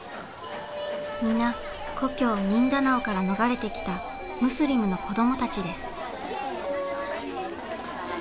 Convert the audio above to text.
皆故郷ミンダナオから逃れてきたムスリムの子どもたちです。